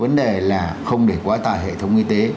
vấn đề là không để quá tải hệ thống y tế